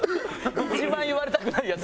一番言われたくないやつ。